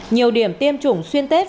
nhiều điểm tiêm chủng xuyên tết